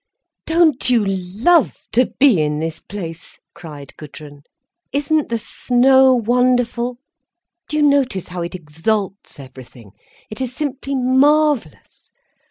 "Don't you love to be in this place?" cried Gudrun. "Isn't the snow wonderful! Do you notice how it exalts everything? It is simply marvellous.